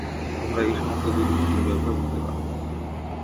তোমরা এই সমস্ত জিনিসগুলি ব্যবহার করতে পার।